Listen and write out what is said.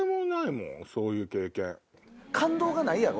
感動がないやろ？